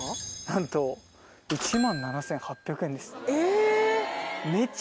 何と１万７８００円ですえっ！？